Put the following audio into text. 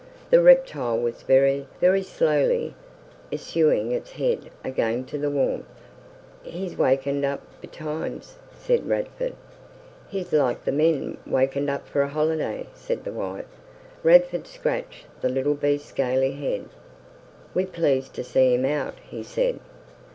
The reptile was very, very slowly issuing its head again to the warmth. "He's wakkened up betimes," said Radford. "He's like th' men, wakened up for a holiday," said the wife. Radford scratched the little beast's scaly head. "We pleased to see him out," he said.